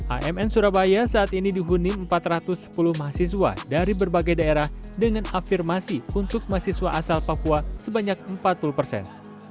amn surabaya saat ini dihuni empat ratus sepuluh mahasiswa dari berbagai daerah dengan afirmasi untuk mahasiswa asal papua sebanyak empat puluh persen